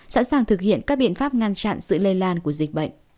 sẵn sàng thực hiện các biện pháp ngăn chặn sự lây lan của dịch bệnh